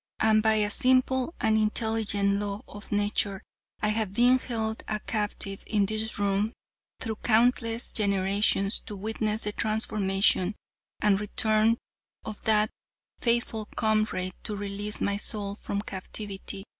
And by a simple and intelligent law of nature I have been held a captive in this room through countless generations to witness the transformation and return of that faithful comrade to release my soul from captivity.